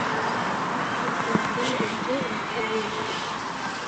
குற்றமே புரிகிறார்கள் என்று உணர்தல் வேண்டும்.